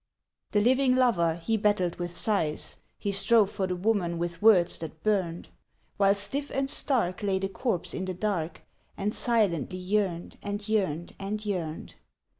The living lover he battled with sighs, He strove for the woman with words that burned, While stiff and stark lay the corpse in the dark, And silently yearned and yearned and yearned.